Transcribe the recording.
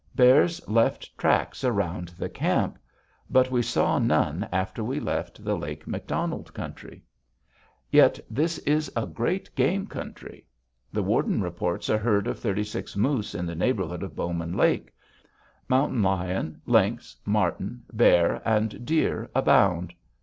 Bears left tracks around the camp. But we saw none after we left the Lake McDonald country. Yet this is a great game country. The warden reports a herd of thirty six moose in the neighborhood of Bowman Lake; mountain lion, lynx, marten, bear, and deer abound.